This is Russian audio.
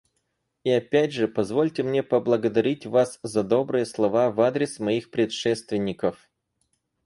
И опять же позвольте мне поблагодарить вас за добрые слова в адрес моих предшественников.